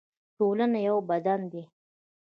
ټولنه یو بدن دی